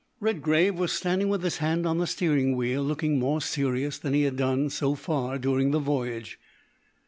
Redgrave was standing with his hand on the steering wheel, looking more serious than he had done so far during the voyage.